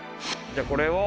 じゃあこれを。